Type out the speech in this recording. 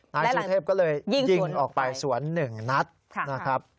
นายสุเทพก็เลยยิงออกไปสวน๑นัดนะครับ